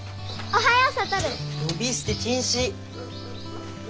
おはよう！